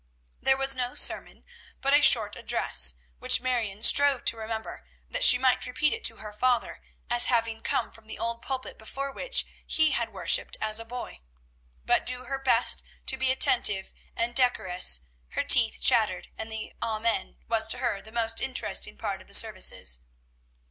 There was no sermon, but a short address, which Marion strove to remember, that she might repeat it to her father, as having come from the old pulpit before which he had worshipped as a boy; but, do her best to be attentive and decorous, her teeth chattered, and the "Amen" was to her the most interesting part of the services.